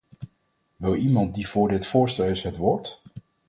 Wil iemand die voor dit voorstel is, het woord?